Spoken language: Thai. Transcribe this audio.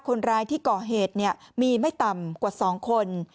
คนร้ายที่ก่อเหตุมีไม่ต่ำกว่า๒คน